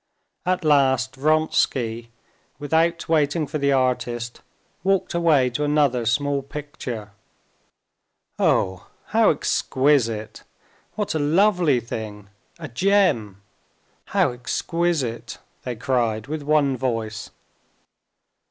At last Vronsky, without waiting for the artist, walked away to another small picture. "Oh, how exquisite! What a lovely thing! A gem! How exquisite!" they cried with one voice.